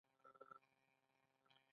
بابک د البانیا یو شهزاده ته پناه یووړه.